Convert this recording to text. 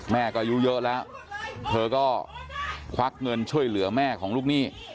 แม่ก็อายุเยอะแล้วเธอก็ควักเงินช่วยเหลือแม่ของลูกหนี้